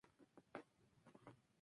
la ideología del consumo es la reina